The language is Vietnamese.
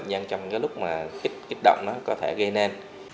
nhưng trong lúc mà kích động nó có thể gây nên